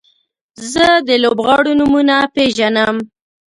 زه د لوبغاړو نومونه پیژنم.